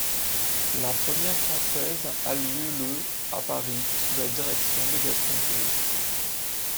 La première française a lieu le à Paris, sous la direction de Gaston Poulet.